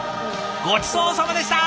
ごちそうさまでした！